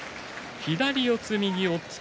左四つ、右、押っつけ